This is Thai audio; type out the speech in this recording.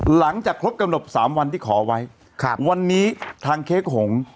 หลังจากครบกำหนดสามวันที่ขอไว้ครับวันนี้ทางเค้กหง